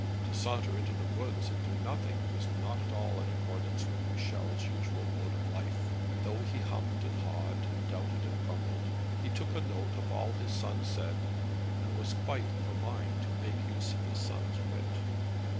To saunter into the woods and do nothing was not at all in accordance with Michel's usual mode of life; and though he hummed and hawed, and doubted and grumbled, he took a note of all his son said, and was quite of a mind to make use of his son's wit.